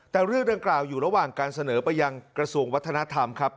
แต่เรื่องดังกล่าวอยู่ระหว่างการเสนอไปยังกระทรวงวัฒนธรรมครับ